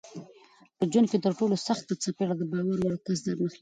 په ژوند کې ترټولو سخته څپېړه دباور وړ کس درنښلوي